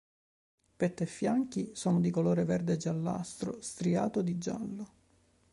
Petto e fianchi sono di colore verde-giallastro striato di giallo.